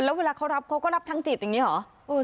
แล้วเวลาเขารับเขาก็รับทั้งจิตอย่างนี้เหรอ